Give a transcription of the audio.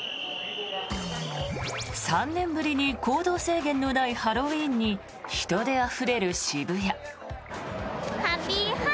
３年ぶりに行動制限のないハロウィーンに人であふれる渋谷。